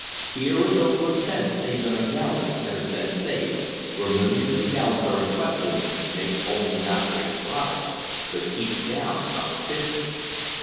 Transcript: Here is over a cent saved on a gallon, and a cent saved, where millions of gallons are in question, makes not only great profits, but keeps down competition.